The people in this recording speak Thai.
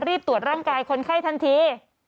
รีบตรวจร่างกายคนไข้ทันที